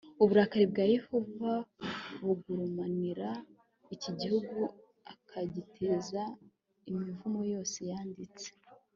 uburakari bwa yehova bugurumanira iki gihugu akagiteza imivumo yose yanditse